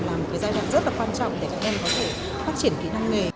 là một giai đoạn rất là quan trọng để các em có thể phát triển kỹ năng nghề